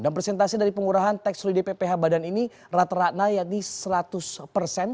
dan presentasi dari pengurahan tax holiday pph badan ini rata rata yakni seratus persen